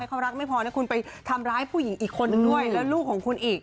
เขารักไม่พอนะคุณไปทำร้ายผู้หญิงอีกคนหนึ่งด้วยแล้วลูกของคุณอีก